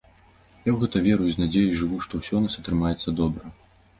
Я ў гэта веру і з надзей жыву, што ўсё ў нас атрымаецца добра.